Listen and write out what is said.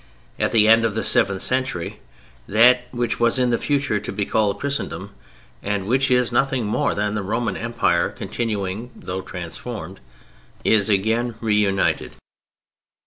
At the end of the seventh century that which was in the future to be called Christendom (and which is nothing more than the Roman Empire continuing though transformed) is again reunited.